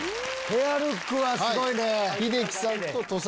ペアルックはすごいね。